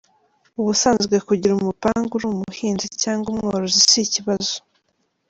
Ubusanzwe kugira umupanga uri umuhinzi cyangwa umworozi si ikibazo.